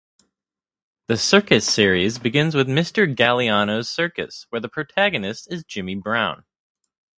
"The Circus Series" begins with "Mr Galliano's Circus", where the protagonist is Jimmy Brown.